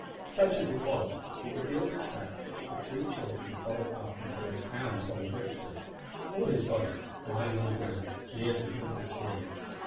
Such as it was, it revealed a track which the three children followed up until they found Tom Brixton or his body lying on the ground near to the little spring.